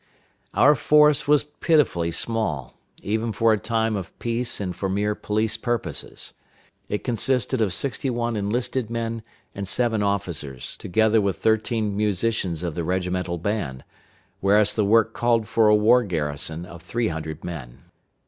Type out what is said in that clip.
Our force was pitifully small, even for a time of peace and for mere police purposes. It consisted of sixty one enlisted men and seven officers, together with thirteen musicians of the regimental band; whereas the work called for a war garrison of three hundred men.